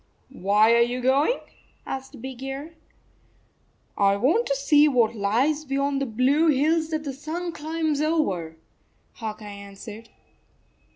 "Why are you going?" asked Big Ear. " I want to see what lies beyond the blue hills that the sun climbs over," Hawk Eye answered.